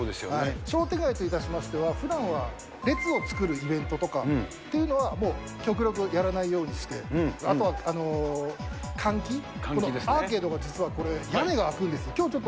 商店街といたしましては、ふだんは列を作るイベントとかっていうのはもう極力やらないようにして、あとは換気、アーケードが実はこれ、屋根が開くんですよ。